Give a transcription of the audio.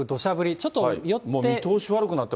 ちょっと寄って。